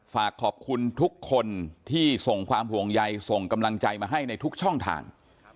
ฝากขอบคุณทุกคนที่ส่งความห่วงใยส่งกำลังใจมาให้ในทุกช่องทาง